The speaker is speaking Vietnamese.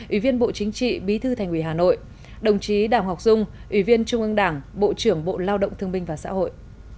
ủy viên bộ chính trị bí thư thành ủy hà nội đồng chí đào ngọc dung ủy viên trung ương đảng bộ trưởng bộ lao động thương binh và xã hội